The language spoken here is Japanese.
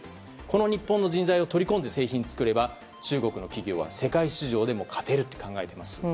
この日本の人材を取り込んで製品を作れば中国の企業は世界市場でも勝てると考えています。